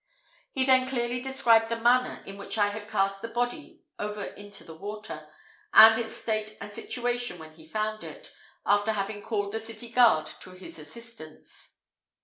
He then clearly described the manner in which I had cast the body over into the water, and its state and situation when he found it, after having called the city guard to his assistance.